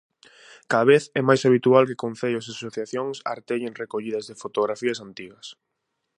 Cada vez é mais habitual que concellos e asociacións artellen recollidas de fotografías antigas.